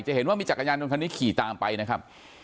เห็นว่ามีจักรยานยนต์คันนี้ขี่ตามไปนะครับ